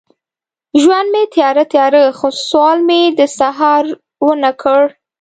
ژوند مې تیاره، تیاره، خو سوال مې د سهار ونه کړ